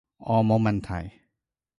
我冇問題